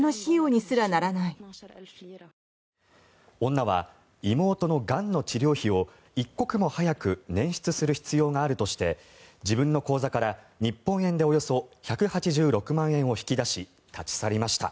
女は、妹のがんの治療費を一刻も早く捻出する必要があるとして自分の口座から日本円でおよそ１８６万円を引き出し立ち去りました。